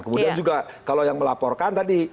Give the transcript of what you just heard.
kemudian juga kalau yang melaporkan tadi